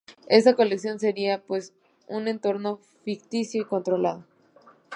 Esta colección sería pues un entorno ficticio y controlado.